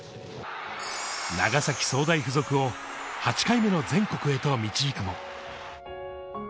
長崎総大附属を８回目の全国へと導くと。